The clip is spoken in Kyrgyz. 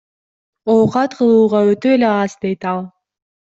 Оокат кылууга өтө эле аз, дейт ал.